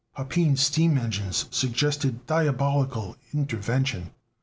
Papin's steam machines suggested diabolical intervention.